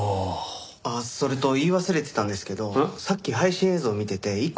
あっそれと言い忘れてたんですけどさっき配信映像を見てて一個気になった事があって。